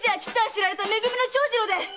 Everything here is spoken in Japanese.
知られため組の長次郎だ！